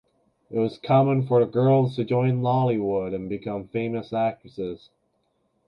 It was common for the girls to join Lollywood and become famous actresses.